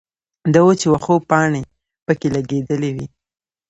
د وچو وښو پانې پکښې لګېدلې وې